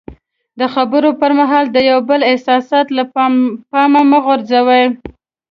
د خبرو پر مهال د یو بل احساسات له پامه مه غورځوئ.